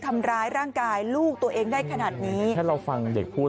ทำร้ายร่างกายลูกตัวเองได้ขนาดนี้ถ้าเราฟังเด็กพูด